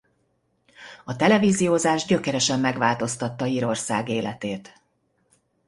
A televíziózás gyökeresen megváltoztatta Írország életét.